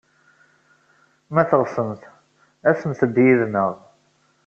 Ma teɣsemt, asemt-d yid-neɣ.